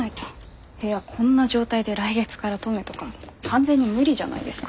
こんな状態で来月から登米とか完全に無理じゃないですか。